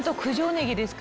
ねぎです。